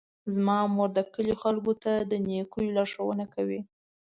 زما مور د کلي خلکو ته د نیکیو لارښوونې کوي.